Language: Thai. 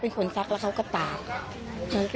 เป็นคนซักแล้วเขาก็ตาก